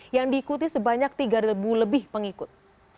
yang diikuti sebanyak tiga lebih pengikut